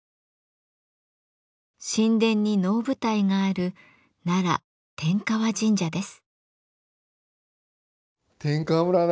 神殿に能舞台がある奈良天河神社です。